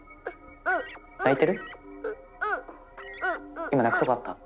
今泣くとこあった？